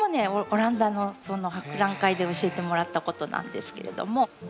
オランダのその博覧会で教えてもらったことなんですけれども。